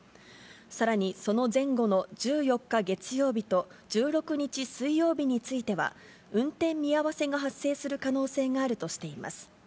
さらに、その前後の１４日月曜日と１６日水曜日については、運転見合わせが発生する可能性があるとしています。